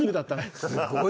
すごい。